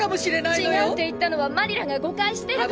違うって言ったのはマリラが誤解してるから。